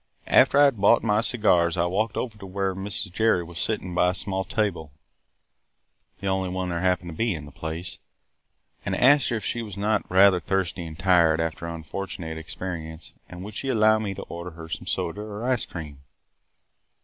After I had bought my cigars, I walked over to where Mrs. Jerry was sitting by a small table (the only one there happened to be in the place) and asked her if she was not rather thirsty and tired after her unfortunate experience and would she allow me to order her some soda or ice cream.